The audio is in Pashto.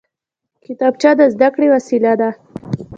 کتابچه د زده کړې وسیله ده